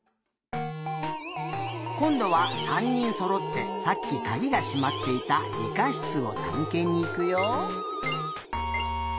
こんどは３にんそろってさっきかぎがしまっていたりかしつをたんけんにいくよ。